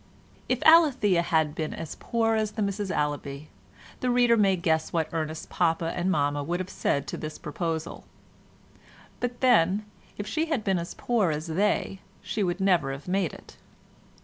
If Alethea had been as poor as the Misses Allaby, the reader may guess what Ernest's papa and mamma would have said to this proposal; but then, if she had been as poor as they, she would never have made it.